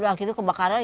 udah gitu kebakaran